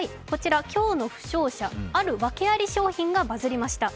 今日の負傷者、あるワケあり商品がバズりました。